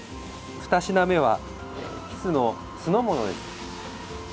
２品目はキスの酢の物です。